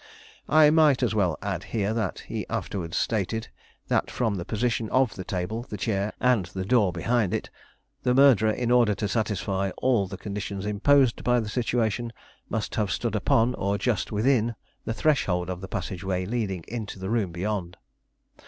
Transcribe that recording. I might as well add here what he afterwards stated, that from the position of the table, the chair, and the door behind it, the murderer, in order to satisfy all the conditions imposed by the situation, must have stood upon, or just within, the threshold of the passageway leading into the room beyond.